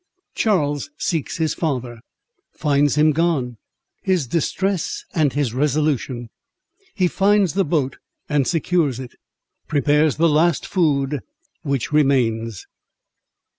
Charles seeks his Father—Finds him gone—His Distress and his Resolution—He finds the Boat, and secures it—Prepares the last Food which remains.